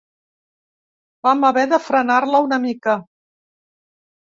Vam haver de frenar-la una mica.